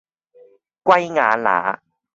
圭亞那